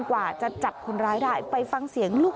ก็พูดแบบคำสุดท้ายแกบอกว่าไม่รู้